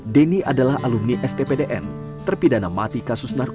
deni adalah alubisik